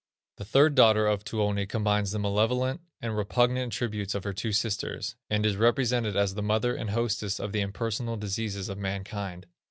The third daughter of Tuoni combines the malevolent and repugnant attributes of her two sisters, and is represented as the mother and hostess of the impersonal diseases of mankind.